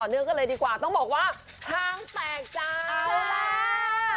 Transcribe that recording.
ต่อเรื่องกันดีกว่าต้องบอกว่าทางแตกจ้า